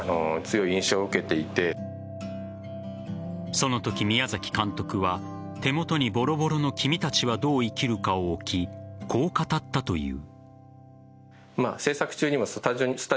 そのとき、宮崎監督は手元にボロボロの「君たちはどう生きるか」を置きこう語ったという。